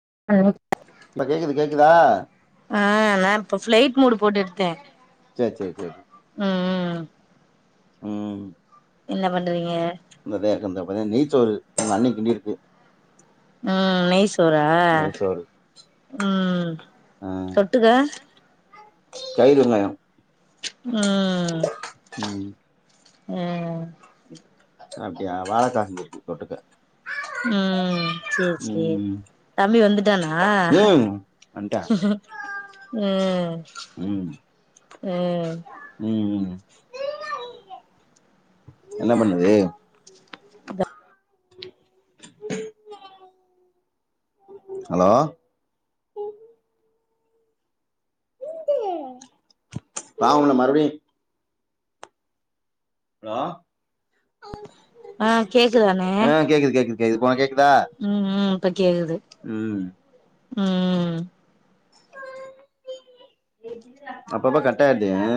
[unintelligible] இப்ப கேக்குது கேக்குதா அ நா இப்போ ஃப்ளைட் மூடு போட்டெத்தே சர் சர் சரி உம் என்ன பண்றீங்க இப்பதா நெய் சோறு எங்க அண்ணி கிண்டி இருக்கு ம் நெய்சூரா நெய்ச்சோறு ம் தொட்டுக்க தயிருவெங்காயோ ம் ம் ம் அப்டியா வாழக்கா செஞ்சிருக்கு தொட்டுக்க உம் செரி செரி ம் தம்பி வந்துட்டானா ம் வன்ட்டா உம் ம் உம் ம் என்ன பண்ணுது ஹலோ நா உன்ன மறுப்டியு ஹலோ அ கேக்குதாணே ஆ [unintelligible] ம் ம் இப்ப கேக்குது ம் ம் அப்பப்ப கட்டாய்ர்து எ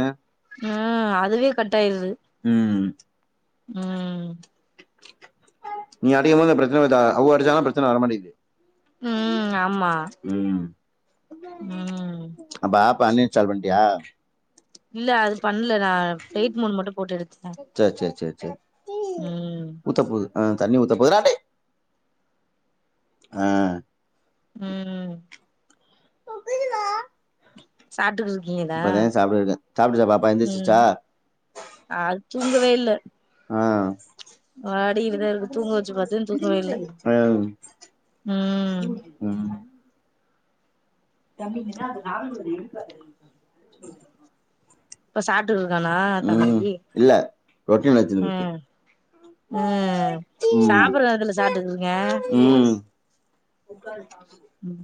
உம் அ துவே கட்டாயிருது ம் உம் நீ அடிக்குமோது ப்ரச்சன வர்தா அவுங்க அடிச்சாங்க ப்ரச்சன வர மாட்டேங்குது உம் ஆமா ம் உம் இப்ப அன் இன்ஸ்டால் பண்டியா இல்ல அது ப இல்ல நா ஃப்லைட் மூட் மட்டு போட்டு எடுத்துட்டே சேரி சேரி சேரி சேரி உத்த போது அ தண்ணி ஊத்த போதுடா டேய் ஆ ம் சாப்ட்டுக்குது இப்பதே சாப்டுட்ருக்கே சாப்டுச்சா பாப்பா ம் எந்திரிச்சிச்சா அது ஆ ஆடி இதுல இருந்து தூங்க வச்சி பாத்தே தூங்கவே இல்ல ம் உம் தம்பிங்கன்னா அது நாளு இவர எழுப்பாது இப்ப சாப்ட்டு இருக்கானா தம்பி இல்ல ரொட்டின் வச்சுன்னு இருக்கு ம் ம் ம் சாப்பிட்ற நேரத்துல சாப்ட்டுக்கிட்டுருக்கான் உக்காரு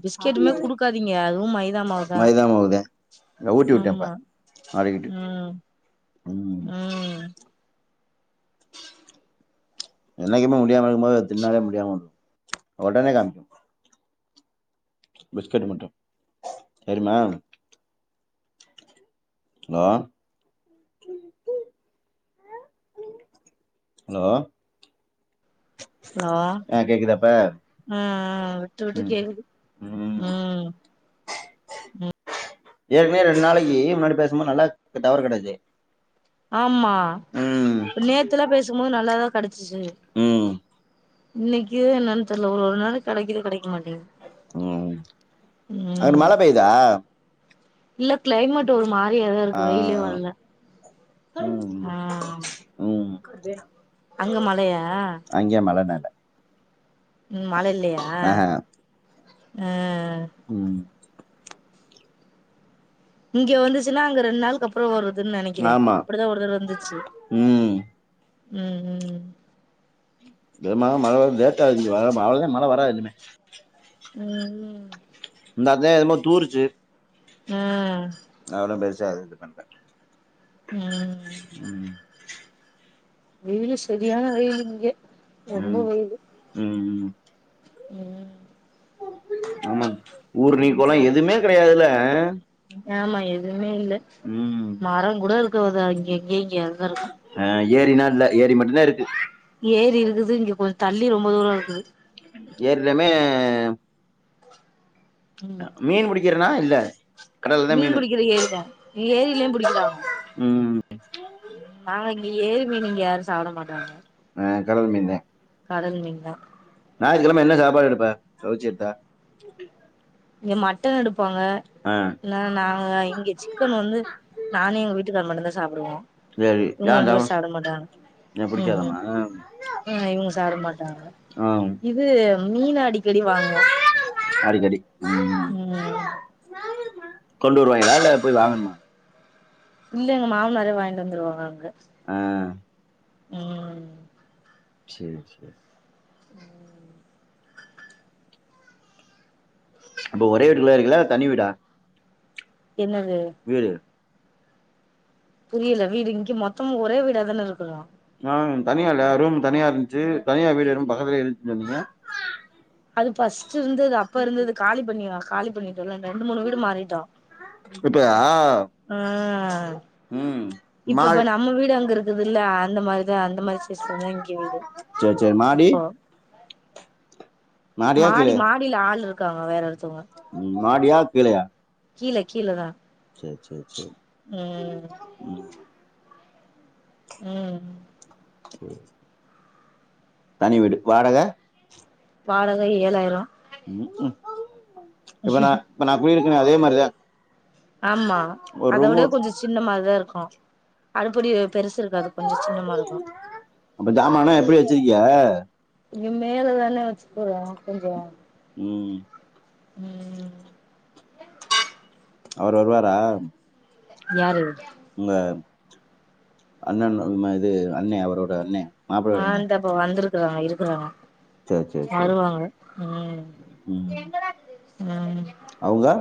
பிஸ்கெட்டுமே குடுக்காதீங்க அதுவு மை மைதா மாவுதா மைதா மாவுதே நா ஊட்டி விட்டே இப்ப ஆம்மா ஆடிக்கிட்டு உம் ம் உம் என்னைக்குமே முடியாம இருக்கும்போது அது திண்ணாளே முடியாம ஒடனே காமிக்கு பிஸ்கட் மட்டு தெரிமா ஹலோ ஹலோ ஹலோ ஆ கேக்குதா இப்ப ம் ம் விட்டு விட்டு ம் கேக்குது ம் ஏற்கனவே ரெண்டு நாளைக்கி முன்னாடி பேச ரொம்ப நல்லாக் இங்க டவர் கெடைச்சி ஆமா நேத்துல்லா பேசும்போது நல்லாதா கெடச்சிச்சி ம் இன்னக்கி ஜியோ என்னன்னு தெர்ல ஒரு ஒரு நாளைக்கு கெடைக்குது கெடைக்க மாட்டிங்குது ம் அங்க ம் மழ பெய்தா இல்ல க்ளைமேட் ஒரு மாரி கூலிங்காதா இருக்கு வெயிலு வர்ல உம் வெ அங்க மழையா நல்ல ம் மழ இல்லயா ஆஹ ம் ம் இங்க வந்துச்சுன்னா அங்க ரெண்டு நாள்க்கு அப்பறொ வரும் துன்னு நெனைக்கிறே ஆமா அப்டிதா ஒரு தரவ வந்துச்சு ம் உம் உம் விதமா மழை வராது வ அவ மழை வராது இனிமே உஹம் இந்த அதான் எம தூருச்சு உம் அவளும் பெருசாது இது பண்ணல உம் வெயில்லு செரியான வெயில் இங்க ரொம்ப ம் வெயில்லு ம் உம் ஆமா ஊர் நீக்கலம் எதுவுமே கிடையாதுல ஆமா எதுவுமே இல்ல ம் மரம் கூட இருக்கு தாே தா இங்க இங்க இங்கய அதுதான் இருக்கும் ஆ ஏரினா இல்ல ஏரி மட்டும்தான் இருக்கு ஏரி இருக்குது இங்க கொஞ்ச தள்ளி ரொம்ப தூரம் இருக்குது ஏர்லாமே ம் மீன் பிடிக்க க்கிறனா இல்ல கடல்ல தா மீன் மீனு பிடிக்கிற ஏரிதான் ஏரியிலும் பிடிக்கிறாங்க ம் ஆனா இங்க ஏரிமீன் நீங்க யாரும் சாப்பிட மாட்டாங்க கடல் மீந்தே கடல் மீன் தான் ஞாயிற்றுக்கிழமை என்ன சாப்பாடு எடுப்ப கவுச்சி எடுத்தா நீங்க மட்டன் எடுப் பாங்க ஆ என்ன நாங்க இங்க சிக்கன் வந்து நானே எங்க வீட்டுக்கார் மட்டும்தான் சாப்பிடுவோம் சரி யாண்டாவ உம் உம் ஆஹ் இவுங்க சாப்பிட மாட்டாங்க ஆ இது மீன் அடிக்கடி வாங்குவோம் அடிக்கடி உம் கொண்டுருவாயங்களா இல்ல போய் வாங்கணுமா இல்ல எங்க மாமனார் தான் வாங்கிட்டு வந்துருவாங்க அங்க ஆ உம் செரி செரி உம் அப்ப ஒரே வீட்டுக்குள்ள இருக்குல்ல தனி வீடா என்னது வீடு புரியல வீடு இங்கி மொத்தமா ஒரே வீடாதான இருக்குறோ ஆஹ் தனியா இல்லையா ரூம் தனியா இருந்ச்சு தனியா வீடு எதும் பக்கத்லயே இருந்ச்சுன் சொன்னிங்க அது ஃபஸ்ட் இருந்தது அப்ப இருந்தது காலி பண்ணிரா காலி பண்ணி சொல்லன் ரெண்டு மூணு வீடு மாறிட்டோ இப்போ ஆஹ் ம் இப்பப்ப மாடி நம்ம வீடு அங்க இருக்குதுல்ல அந்த மாதிரி அந்த மாரி சிஸ்டந்தா இங்க வீடு சரி சரி மாடி இப்பொ மாடியா மாடி கீழே மாடில ஆள்ருக் க்காங்க வேற சும்மா ம், மாடியா கீழயா கீழ கீழதா சேர் சேர் சேர் ம் உம் உம் சேரி தனி வீடு வாடக வாடக ஏழாயிரோ ம்கூ இப்ப நா இப்ப நா குடியிரு க்னே அதே மாரிதா ஆமா அத விட கொஞ்சொ சின்ன மாரிதா இருக்கூ அடுப்படி பெருசு இருக்காது கொஞ்சோ சின்னமா இருக்கு அப்ப ஜாமான்ன எப்டி வச்சிருக்கிய இங்க மேலதானே வச்சிக்குறோ கொஞ்சொ உம் உம் அவரு வருவாரா யாரு உங்க அண்ணன் ன்ம இது அண்ணெ அவரோட அண்ணெ ஆஹ் இந்தப்ப வந்துருக் இருக்றாங்க இருக்குறாங்க சேரி சேரி சேரி வருவாங்க உம் ம் அவுங்க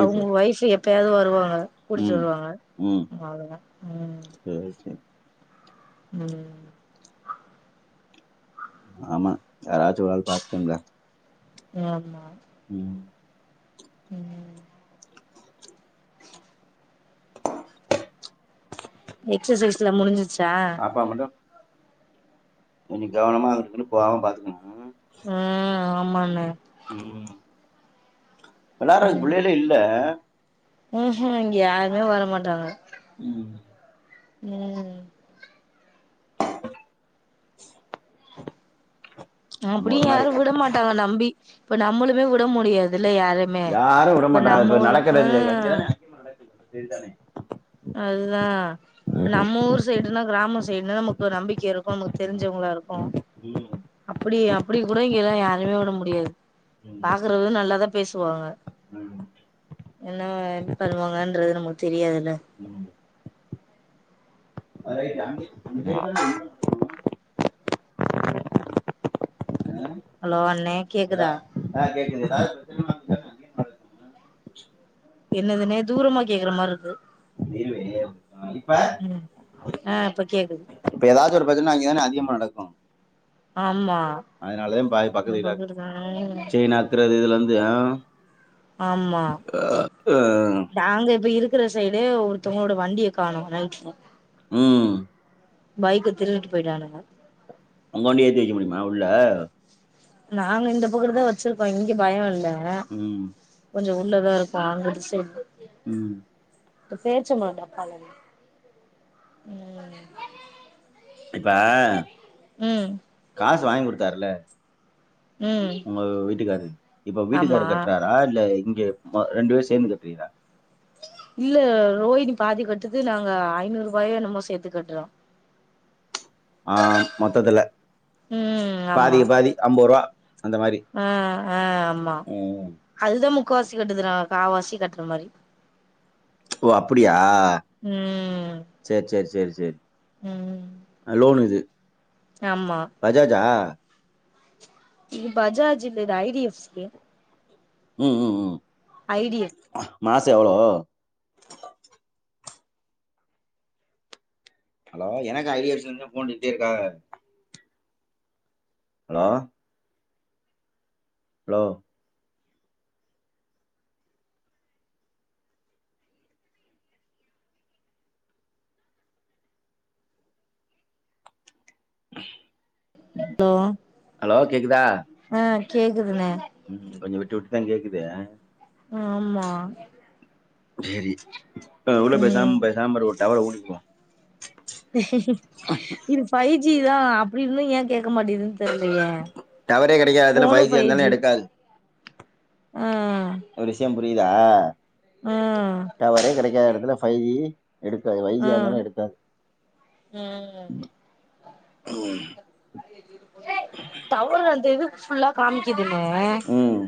அவுங்க ஒய்ஃபு எப் பயாது வருவாங்க கூட்டிட்டு ம் வருவாங்க ம் அவ்ளோதா சேரி சேரி ம் ஆமா யாராச்சும் ஒருஆள் பாத்துக்கோங்க [inaudible] உம் ம் எக்சசைஸ்லாம் முடிஞ்சு ஆமா மேடம் கொஞ்சம் கவனமா அங்கிட்டு இங்கிட்டு போகாம பாத்துக்கணும் அஹ் ஆமாண்ண ம் ம் வெளாற்றக்கு பிள்ளேல இல்ல ம் ஹும் இங்க யாருமே வர மாட்டாங்க உம் ம் [inaudible] நம்ம ஒரு அப்டியும் மாரி யாரும் விட மாட்டாங்க நம்பி இப்ப நம்மளுமே வுட முடியாது யாரும் விடமாட்டாங்க இப்ப நடக்குறது ம் [inaudible] செரி தானே அதுதா நம்ம ஊர் சைடுனா கிராம சைடுனா நமக்கு நம்பிக்கை இருக்கும் நமக்கு தெரிஞ்சவங்களா இருக்கும் அப்டி அப்டி கூட இங்கல்லாம் யாரு மே வுட முடியாது ம் பாக்குறது நல்லாதா பேசுவாங்க ம் என்ன பனுவாங்கன்றது நம்மளுக் தெரியாதுல்ல ம் அதயும் தாண்டி [inaudible] ஆ, ஹலோ அண்ணே ஏதா கேக்குதா [inaudible] என்னதுனே தூரமா கேக்குற மாரி இருக்கு [inaudible] இப்ப ம் ஆ இப்ப கேக்குது இப்ப ஏதாச்சும் ஒருப் பிரச்னைனா அங்க தானே அதிகமா நடக்கும் ஆமா அதனாலயும் பாதி பக்கத்து வீடாருக் செய்ன அக்குறது இதுல இருந்து ஆஹ் [inaudible] ஆமா நாங்க இப்ப இருக் இருக்கிற சைடு ஒருத்தவங்களோட வண்டிய காணோ நைட்ல ம் பைக் திருடிட்டு போயிட்டானுங்க உங்க வண்டிய ஏத்தி வெக்க முடியுமா உள்ள நாங்க இந்த பக்கத்து தா வச்சிருக்கோம் இங்க பயம் இல்ல ம் கொஞ்சோ உள்ளதா இருக்கா அங்குட்டு சைடு ம் பேரிச்சம்பழோ டப்பாலங்க இப்ப காசு வாங்கி குடுத்தாருல ம் உங்க வீட்டுக்காரு இப்ப ஆமா வீட்டுக்காரு கட்டுறாரா இல்ல ரெண்டு பேரு சேந்து கட்டுறீங்களா இல்ல ரோஹினி பாதி கட்டுது நாங்க ஐநூறு ரூபாயோ என்னமோ சேத்து கட்றோ ஆ மொத்தத்துல ம் ஆமா பாதிக்கு பாதி அம்பதுருபா ஆ ஆ ஆமா ம். அதுதா முக்கவாசி கட்டுதுநா காவாசி கட்டுற மாரி ஓ அப்பிடியா ம் சேரி சேரி சேரி சேரி ம் அ லோன் இது ஆமா பஜாஜா இது பஜாஜ் இல்ல இது ஐ டி எஃப் சி ம் ம் ம் ஐ டி யல் மாசோ எவ்ளோ ஹலோ எனக்கு ஐ டி எஃப் சி ல இருந்து ஃபோண்டுட்டே இருக்காங்க ஹாலோ ஹலோ [inaudible] ஹலோ ஹலோ கேக்குதா ஆ கேக்குதுன ம் கொஞ்சோ விட்டு விட்டுதா கேக்குது ஆமா சரி ம் [unintelligible] தவள [unintelligible] இது ஃபை ஃபை ஜிதா அப்டி இருந்து ஏன் கேட்க மாட்டேங்குது டவரே கெடைக்காது அதுல பஃபைவ் ஜி இருந்தாலோ எடுக்காது உஹ் ஒரு விஷயம் புரியுதா டவரே கிடைக்காத இடத் துல ஃபைவ் ஜி எடுக்காது ஆ வைஜியா இருந்தாலும் எக்காது ம் டவர் வந்து இது ஃபுல்லா காமிக்கி னூ ம்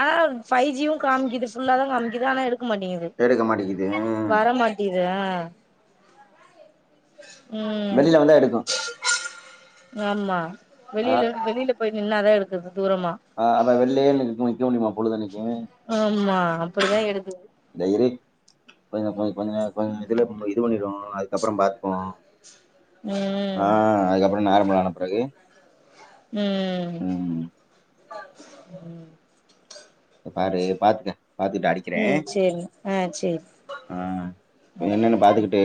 ஆனா ஃபைவ் ஜியும் காமிக்குது ஃபுல்லாதான் காமிக்குது ஆனா எடு எடுக்க மாட்டிக்குது ஆஹ் வெளியில வந்தா எடுக்கும் ஆமா வெளியில வெளியில போய் நின்னாதான் எடுக்குது தூரமா ஆஹ் அத வெளிலேயே நிக்க முடியுமா பொழுதனக் ஆமா அப்படிதான் எடுக்குது போய ந போ கொஞ்சம் கொஞ்சம் இததுல இது பண்ணிருவானுவோ அதுக்கப்புறம் பார்ப்போம் ம் ஆஹ் அதுக்கப்பறம் நார்மலன பிறகு உம் ம் உம் பாரு பாத்துக்க பாத்துக்கட்டு அடிக்கிறேன் ம் சேரிங்க ஆ சேரி ஆஹ் என்னன்ன பாத்துக்கிட்டு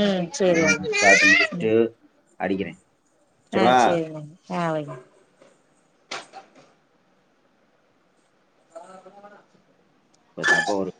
ம் சேரி ஆஹ் வைங்க பாத்து முடிச்சுட்டு அடிக்கிறே ஆஹ் சரிவா செரினே ஆஹ் வை பதாப்போ ஒரு